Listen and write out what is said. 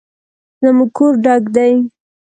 زموږ کور ډک دی